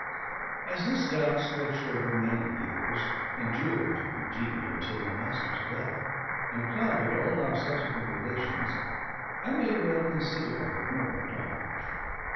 As this doubt stretched over many years, endured indeed until my master's death, and clouded all our subsequent relations, I may well consider of it more at large.